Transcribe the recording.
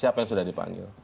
siapa yang sudah dipanggil